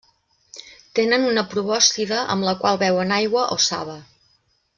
Tenen una probòscide amb la qual beuen aigua o saba.